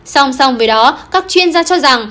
song song với đó các chuyên gia cho rằng